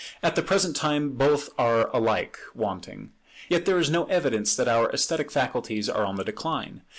At the present time both are alike wanting. Yet there is no evidence that our esthetic faculties are on the decline.